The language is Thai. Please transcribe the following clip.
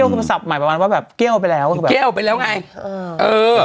แก้วคือภาษาภาพหมายประมาณว่าแบบแก้วไปแล้วแก้วไปแล้วไงอืม